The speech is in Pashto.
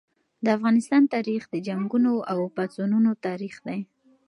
د افغانستان تاریخ د جنګونو او پاڅونونو تاریخ دی.